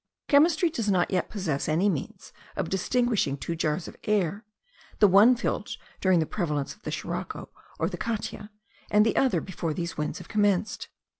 Chemistry does not yet possess any means of distinguishing two jars of air, the one filled during the prevalence of the sirocco or the catia, and the other before these winds have commenced.